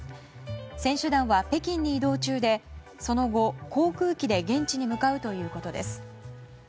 選手団は北京に移動中でその後、航空機で現地に向かうということです。